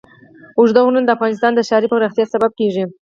اوږده غرونه د افغانستان د ښاري پراختیا سبب کېږي.